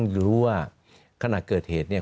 รู้ว่าขณะเกิดเหตุเนี่ย